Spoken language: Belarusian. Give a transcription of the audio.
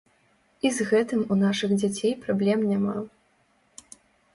І з гэтым у нашых дзяцей праблем няма.